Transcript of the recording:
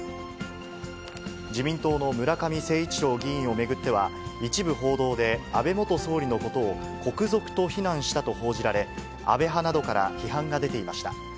自民党の村上誠一郎議員を巡っては、一部報道で、安倍元総理のことを国賊と非難したと報じられ、安倍派などから批判が出ていました。